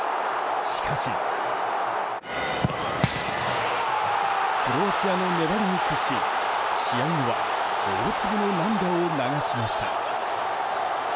しかし、クロアチアの粘りに屈し試合後は大粒の涙を流しました。